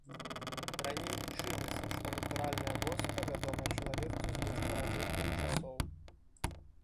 Раней лічылася, што натуральная воспа вядомая чалавецтву з найстаражытных часоў.